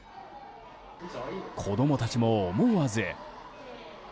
子供たちも思わず。